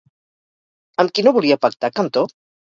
Amb qui no volia pactar Cantó?